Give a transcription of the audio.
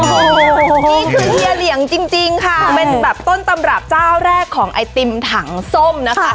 โอ้โหนี่คือเฮียเหลียงจริงค่ะเป็นแบบต้นตำรับเจ้าแรกของไอติมถังส้มนะคะ